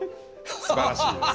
すばらしいです。